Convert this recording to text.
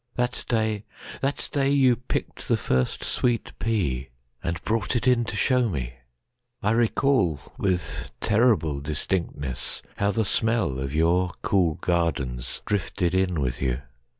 That day—that day you picked the first sweet pea,—And brought it in to show me! I recallWith terrible distinctness how the smellOf your cool gardens drifted in with you.